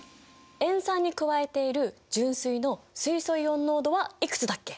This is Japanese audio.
塩酸に加えている純水の水素イオン濃度はいくつだっけ？